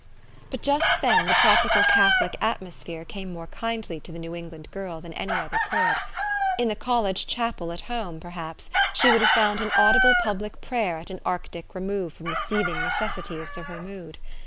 But just then the tropical Catholic atmosphere came more kindly to the New England girl than any other could. In the college chapel at home, perhaps, she would have found an audible public prayer at an arctic remove from the seething necessities of her mood.